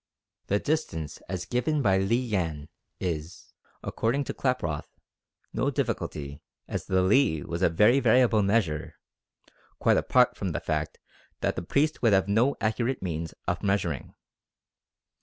The distance as given by Li Yen is, according to Klaproth, no difficulty, as the "li" was a very variable measure, quite apart from the fact that the priest would have no accurate means of measuring.